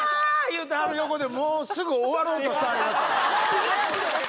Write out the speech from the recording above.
言うてはる横でもうすぐ終わろうとしてはりました。